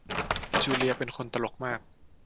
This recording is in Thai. จูเลียเป็นคนตลกมาก